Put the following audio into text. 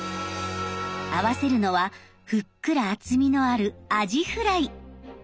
合わせるのはふっくら厚みのあるアジフライ。